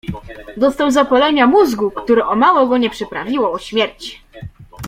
Dostał zapalenia mózgu, które o mało go nie przyprawiło o śmierć.